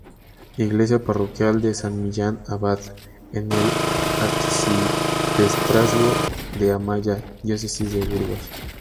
Iglesia parroquial de "San Millán Abad", en el Arcipestrazgo de Amaya, diócesis de Burgos.